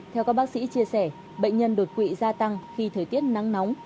theo các bác sĩ chia sẻ bệnh nhân đột quỵ gia tăng khi thời tiết nắng nóng